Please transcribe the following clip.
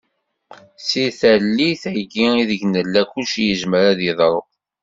Di tallit-agi ideg nella kullci yezmer a d-yeḍru.